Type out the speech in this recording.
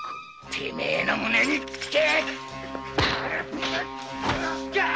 てめえの胸に訊け！